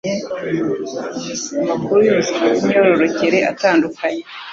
amakuru y'buzima bw'imyororokere atandukanye